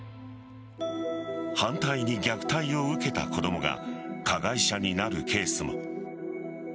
反対に、虐待を受けた子供が加害者になるケースも。